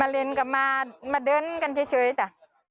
มาเล่นกับมาเดินกันเฉยจ้ะ